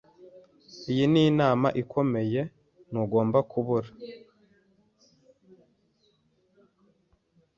Iyi ninama ikomeye. Ntugomba kubura.